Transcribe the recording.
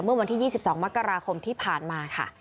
เมื่อวันที่๒๒มกราคมที่ผ่านมาค่ะ